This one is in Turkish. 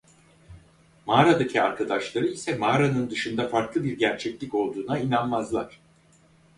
Mağaradaki arkadaşları ise mağaranın dışında farklı bir gerçeklik olduğuna inanmazlar.